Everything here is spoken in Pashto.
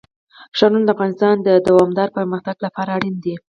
ښارونه د افغانستان د دوامداره پرمختګ لپاره اړین دي.